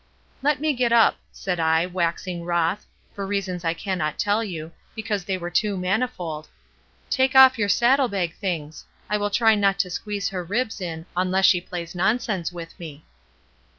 "Let me get up," said I, waxing wroth, for reasons I cannot tell you, because they are too manifold; "take off your saddle bag things. I will try not to squeeze her ribs in, unless she plays nonsense with me."